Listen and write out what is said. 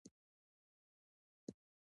ایا زه باید طلاق واخلم؟